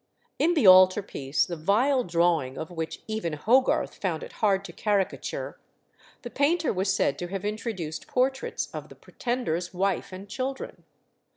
In the altar piece, the vile drawing of which even Hogarth found it hard to caricature, the painter was said to have introduced portraits of the Pretender's wife and children.